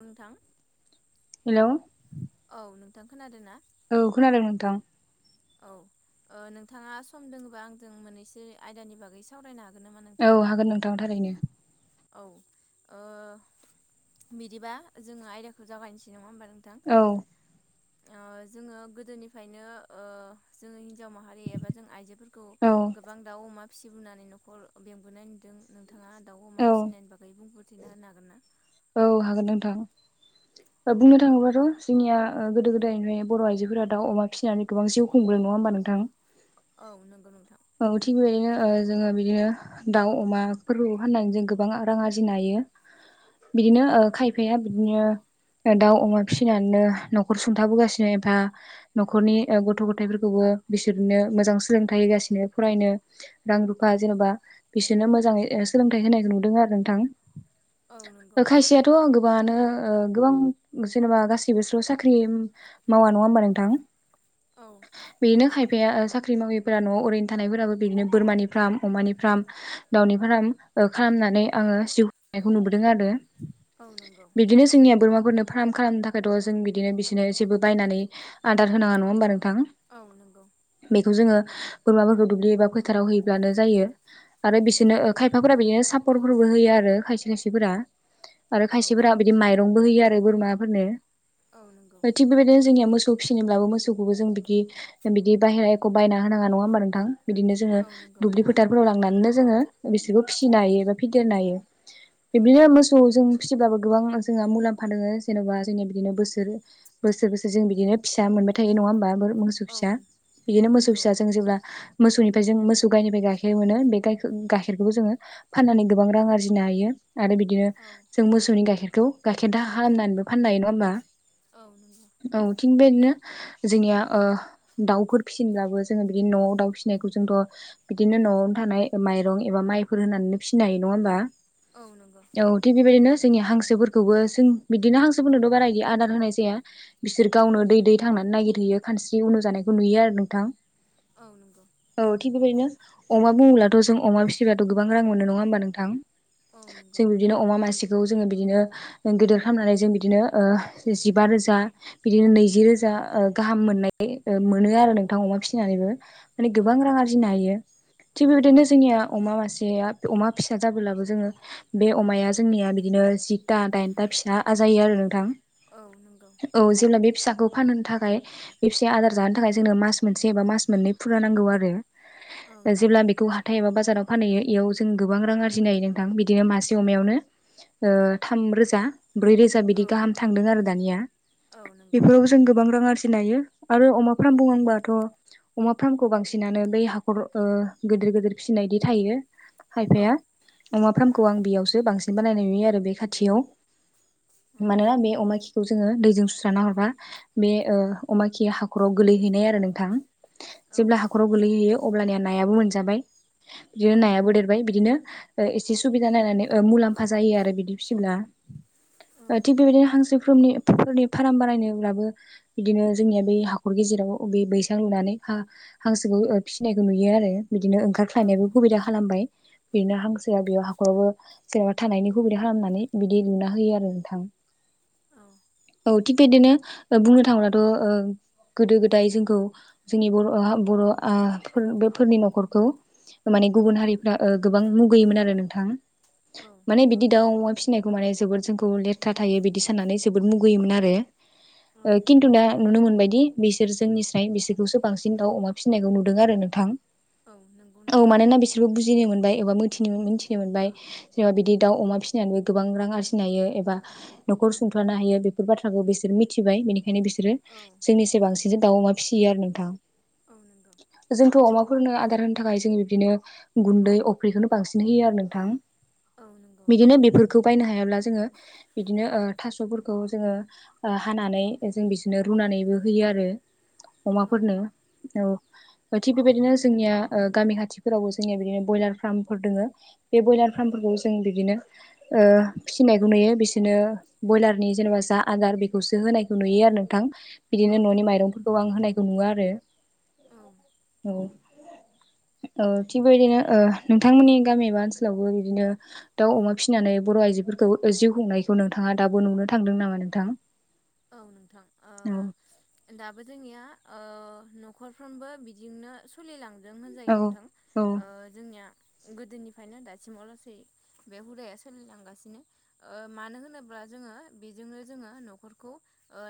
नोंथां हेलौ औ नोंथां खोनादो ना औ खोनादों नोथां औ ओ नोंथाङा सम दङोबा आंजों मोननैसो आयदानि बागै सावरायनो हा औ हागोन नोंथां थारैनो औ ओ बिदिबा जोङो आयदाखौ जागायनोसै नङा होमबा थां औ ओ जोङो गोदोनिफायनो ओ जोङो हिनजाव माहारि एबा जों आइजोफोरखौ औ गोबां दाउ अमा फिसिबोननानै न'खर बेंबोनाय नुदों नोंथाङा दा औ फिसिनायनि बागै बुंफोरथना होनो हागोन ना औ हागोन नोंथां बुंनो थाङोबाथ' जोंनिया ओ गोदो-गोदायनि बर' आइजोफोरा दाउ अमा फिसिनानै गोबां जिउ खुंबो नङा होमबा नोंथां औ नंगौ नोंथां औ थिग बेबायदिनो ओ जोङो बिदिनो दाउ अमाफोरखौ फाननानै जों गोबां रां आरजिनो हायो बिदिनो औ ओ खायफाया बिदिनो दाउ अमा फिसिनानैनो न'खर सुंथाबोगासिनो एबा न'खरनि ओ गथ'-ग'थायफोरखौबो ओ बिसोरनो मोजां सोलोंथाइ होगासिनो फरायनो रां रुफा औ जेन'बा बिसोरनो मोजाङै सोलोंथाइ होनायखौ नुदों आरो नोंथां औ नों खायसेयाथ' गोबाङानो ओ गोबां जेनेबा गासैबो सो साख्रि मावा नङा थां औ बेनो खाय फाया साख्रि मावैफोरा न'आव ओरैनो थानायफोराबो बिदिनो बोरमानि फार्म अमानि फार्म दावनि फार्म ओ खालामनानै ओ आङो जिउ खुं नायखौ नुबोदों आरो औ नंगौ बिदिनो जोंनिया बोरमाफोरनो फार्म खालामनो था थ' जों बिदिनो बिसोरनो जेबो बायनानै आदार होनाङा नङा होमबा नोंथां औ नंगौ बेखौ जोङो बोरमाफोरखौ दुब्लि एबा फोथाराव हैयब्लानो जायो आरो औ बिसोरनो ओ खायफाफोरा बिदिनो सापर्टफोरबो होयो आरो खायसे-खायसेफोरा आरो औ खायसेफोरा बिदि माइरंबो होयो आरो बोरमाफोरनो औ नंगौ थिग बेबायदिनो जोंनिया मोस सौ फिनोब्लाबो मोसौखौबो जों बिदि बिदि बाहेरा एखखौ बायना होनाङा नङा होमबा नोंथां बिदिनो जोङो औ नंगौ दुब्लि फोथारफोराव लांनानैनो जोङो बिसोरखौ फिसिनो हायो एबा फेदेरनो हायो औ बिदिनो मोस सौ फिसिब्लाबो गोबां जोंहा मुलाम्फा दङो जेन'बा जोंनिया बिदिनो बोसोर बोसोर बोसोर जों बिदिनो फि मोनबाय थायो नङा होमबा बो मोसौ औ फिसा बिदिनो मोसौ नंगौ फिसा जों जेब्ला मोसौ जों मोसौ गाइनिफ्राय गाइखेर मोनो बे गाइखेरखौबो जोङो फाननानै गोबां रां आरजिनो हायो आरो बिदिनो औ बेखौ गाइखेर दाहा खालामनानैबो फाननो हायो नङा होमबा औ नंगौ औ थिग बेदिनो जोंनिया ओ दाउफोर फिसिनोब्लाबो जोङो बिदि न'आव दाउ फिसिनायखौ जोंथ' बिदिनो न'आवनो थानाय माइरं एबा माइफोर होनानै फिसिनो हायो नङा होमबा औ नंगौ औ थिग बेबायदिनो जोंनि हांसोफोरखौबो जों बिदिनो हांसोफोरनोथ बारा आदार होनाय जाया बिसोर औ गावनो दै दै थांनानै नागिरहैयो खानस्रि उनुजानायखौ नुयो आरो नोंथां औ नंगौ औ थिग बिबायदिनो अमा बुङोब्लाथ' जों अमा फिसिबाथ' गोबां रां मोनो नङा होमब्ला नोंथां? औ नंगौ जों बिदिनो अमा मासे खौ जोङो बिदिनो जों बिदिनो गिदिर खालामनानै जों बिदिनो ओ जिबा रोजा बिदिनो नैजि रोजा ओ गाहाम मोननाय मोनो आरो नोंथां अमा फिसिनानैबो माने औ गोबां रां नंगौ आरजिनो हायो थिग बेबायदिनो औ जोंनिया अमा मासेया अमा फिसा जाबोलाबो जोङो बे अमाया जोंनिया बिदिनो जिथा दानथामाव फिसा आजायो आरो नोंथां। औ नंगौ औ जेब्ला बे फिसा खौ फानहोनो थाखाय बे फिसाया आदार जानो थाखाय जोंनो मास मोनसे एबा मास मोननै फुरा नांगौ आरो। औ नंगौ जेब्ला बेखौ हाथाइ एबा बाजाराव फानहैयो इयाव जों गोबां रां आरजिनो हायो नोंथां बिदिनो मासे अमायावनो ओ थाम रोजा ब्रै रोजा बिदि औ गाहाम थांदों आरो दानिया औ नंगौ बेफोराव जों गोबां रां आरजि फिनायो आरो अमा फार्म बुंबाथ' अमा फार्मखौ बांसिनानो बै हाखर ओ गोदो गोदोर फिनायदि थायो औ खायफाया अमा औ फार्मखौ आं बेयावसो बांसिन बानायनाय नुयो आरो बे खाथियाव मानोना बे अमा खि खौ जोङो दैजों सुस्रांना हरबा बे ओ अमा खि हाखराव गोलैहैनाय आरो नोंथां। जेब्ला औ हाखराव गोलैहोयो अब्लानिया नायाबो मोनजाबाय बिदिनो नायाबो देरबाय बिदिनो एसे सुबिदा नायनानै ओ मुलाम्फा जायो आरो बिदि फिसिब्ला औ नंगौ ओ थिग बेबायदिनो हांसोनि फोरनि फार्म बानायनोब्लाबो बिदिनो जोंनिया बै हाखर गेजेर राव बे बैसां लुनानै हा हांसोखौ ओ फिसिनायखौ नुयो आरो। बिदिनो औ ओंखारख्लायनायबो सुबिदा खालामबाय बिदिनो हांसोआ बेयाव हाखरावबो बेयाव थानायनि हुबिदा खालामनानै बिदि लुना होयो आरो नोंथां औ थिग बिदिनो ओ बुंनो थाङोबाथ' ओ गोदो गोदाय जोंखौ जोंनि बर'आ बर'आ फोर बेफोरनि न'खरखौ माने गुबुन हारिफ्रा ओ गोबां मुगैयोमोन आरो नोंथां। माने बिदि दाउ अमा फिसिनायखौ माने जोबोद जोंखौ लेथ्रा थायो बिदि साननानै जोबोद मुगैयोमोन आरो खिन्थु दा नुनो मोनबाय दि बिसोर जोंनिस्राय बिसोरखौसो बांसिन दाउ अमा फिसिनायखौ नुदों आरो नोंथां। औ नंगौ औ नोंथां मानोना बिसोरखौ बुजिनो मोनबाय एबा मिथिनो मोनबाय जेनबा बिदि दाउ अमा फिसिनानैबो गोबां रां आरजिनो हायो एबा न'खर सुंथानो हायो बेफोर बाथ्राखौ बिसोरो मिथिबाय बिनि खायनो बिसोरो औ जोंनिसाय बांसिनसो दाउ अमा फिसियो आरो औ नंगौ नोंथाङा जों थ' अमाफोरनो आदार होनो थाखाय जोङो बिदिनो गुन्दै अफ्रिखौनो बांसिन होयो आरो नोंथां। औ नंगौ बिदिनो बेफोरखौ बायनो हायाब्ला जोङो बिदिनो ओ थास'फोरखौ जोङो ओ हानानै जों बिदिनो रुना नैबो होयो आरो। [inaudible] अमाफोरनो औ। ओ थिग बेबायदिनो जोंनिया ओ गामि खाथिफोरावबो जोंनिया बिदिनो ब्रयलार फार्मफोर दङो बे ब्रयलार फार्म फोरखौ जों बिदिनो ओ फिसिनायखौ नुयो बिसोरनो ब्रयलारनि जेनेबा जा आदार बे खौसो होनायखौ नुयो आरो नोंथां बिदिनो औ न'नि नंगौ माइरंफोरखौ आं होनायखौ नुवा आरो। औ औ ओ थिग बेबादिनो नोंथांमोननि गामि एबा ओनसोलावबो बिदिनो दाउ अमा फिसिनानै बर' आइजोफोरखौ ओ जिउ खुंनायखौ नोंथाङा दाबो नुनो थांदों नामा नोंथां? औ नोंथां औ ओ दाबो जोंनिया ओ नखरफ्रोमबो बिदिनो सोलिलांदों औ होनजायो नोंथां औ ओ जोंनिया गोदोनिफ्रायनो दासिमाव लासै बे हुदाया सोलिलांगासिनो ओ मानो होनोब्ला ओ जोंङो बेजोंनो जोंङो नखरखौ ओ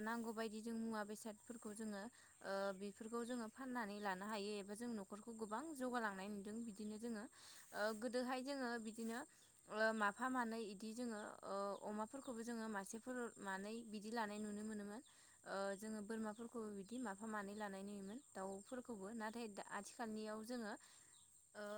नांगौ बायदि जों मुवा बेसादफोरखौ जोंङो ओ बेफोरखौ जोंङो फाननानै लानो हायो एफोर जों नखरखौ गोबां जौगालांनाय नुदों बिदिनो जोंङो ओ गोदोहाय जोंङो बिदिनो ओ माफा मानै बिदि जोंङो ओ अमाफोरखौबो जोंङो मासेफोर मानै बिदि लानाय नुनो मोनोमोन ओ जोंङो बोरमाफोरखौबो बिदि माफा मानै लानाय नुयोमोन दाउफोरखौबो नाथाय दा आथिखालनियाव जोंङो ओ